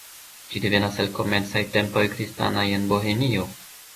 Ĝi devenas el komencaj tempoj kristanaj en Bohemio.